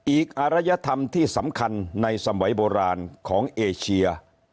อารยธรรมที่สำคัญในสมัยโบราณของเอเชีย